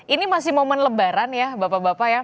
ini masih momen lebaran ya bapak bapak ya